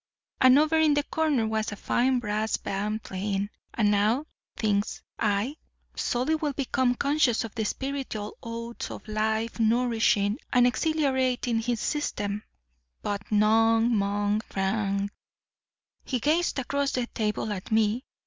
And over in the corner was a fine brass band playing; and now, thinks I, Solly will become conscious of the spiritual oats of life nourishing and exhilarating his system. But nong, mong frang. "He gazed across the table at me.